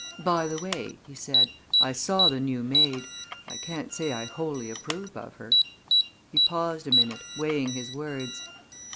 "By the way," he said, "I saw the new maid. I can't say I wholly approve of her." He paused a minute, weighing his words.